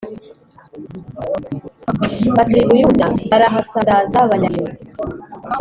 Batera i Buyuda barahasandaza banyaga ibintu